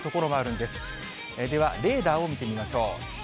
では、レーダーを見てみましょう。